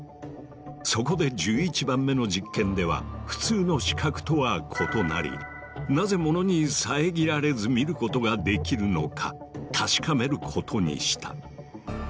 そこで１１番目の実験では普通の視覚とは異なりなぜものに遮られず見ることができるのか確かめることにした。